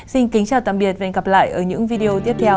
xin kính chào tạm biệt và hẹn gặp lại ở những video tiếp theo